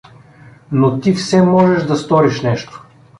— Но ти все можеш да сториш нещо.